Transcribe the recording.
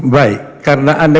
baik karena anda